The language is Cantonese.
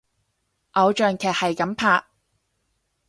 偶像劇係噉拍！